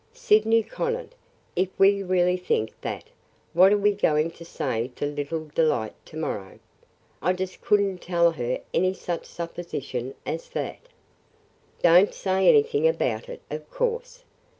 "Sydney Conant, if we really think that, what are we going to say to little Delight to morrow. I just could n't tell her any such supposition as that!" "Don't say anything about it, of course.